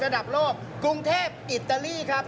ระดับโลกกรุงเทพอิตาลีครับ